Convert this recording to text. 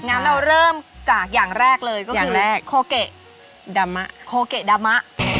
งั้นเราเริ่มจากอย่างแรกเลยก็คือโคเขยาดามะ